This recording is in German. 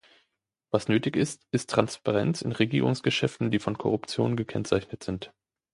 Was nötig ist, ist Transparenz in Regierungsgeschäften, die von Korruption gekennzeichnet sind.